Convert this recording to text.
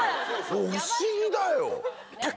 もう不思議だよ。